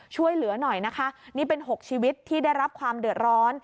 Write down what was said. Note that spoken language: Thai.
ช่วยเหลือหน่อยนะคะนี่เป็น๖ชีวิตที่ได้รับความเดือดร้อน